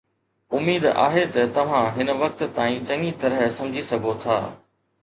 اميد آهي ته توهان هن وقت تائين چڱي طرح سمجهي سگهو ٿا